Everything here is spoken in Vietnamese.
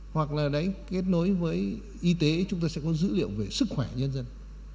hoặc là đấy kết nối với y tế chúng ta sẽ có dữ liệu về sức khỏe nhân dân